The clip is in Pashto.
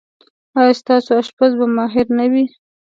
ایا ستاسو اشپز به ماهر نه وي؟